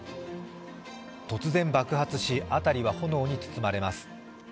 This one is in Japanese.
突然、爆発し辺りは炎に包まれます。